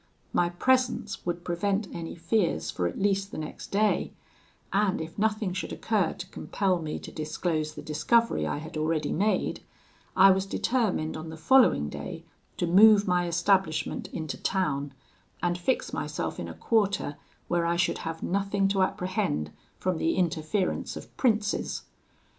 My presence would prevent any fears for at least the next day; and if nothing should occur to compel me to disclose the discovery I had already made, I was determined on the following day to move my establishment into town, and fix myself in a quarter where I should have nothing to apprehend from the interference of princes.